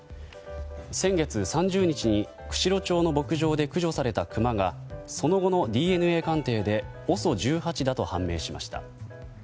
先月３０日に釧路町の牧場で駆除されたクマがその後のＤＮＡ鑑定でＯＳＯ１８だと判明しました。